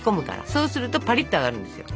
そうするとパリッと揚がるんですよ。